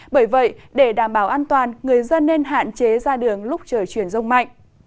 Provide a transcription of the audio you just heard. bởi vậy để đảm bảo an toàn người dân nên hạn chế ra đường lúc trời chuyển rông mạnh